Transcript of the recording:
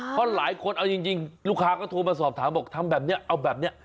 เพราะหลายคนเอาจริงลูกค้าก็โทรมาสอบถามบอกทำแบบนี้เอาแบบนี้